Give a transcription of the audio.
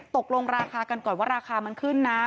ตกลงราคากันก่อนว่าราคามันขึ้นนะ